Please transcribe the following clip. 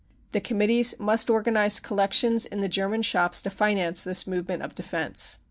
" The Committees must organise collections in the German shops to finance this movement of defence."